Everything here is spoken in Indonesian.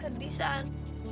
gue sedih san